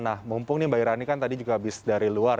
nah mumpung nih mbak irani kan tadi juga habis dari luar